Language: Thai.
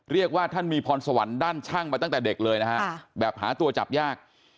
เรียกว่าท่านมีพรสวรรค์ด้านช่างมาตั้งแต่เด็กเลยนะฮะแบบหาตัวจับยาก